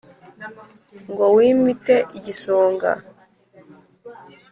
ngo wmite igisonga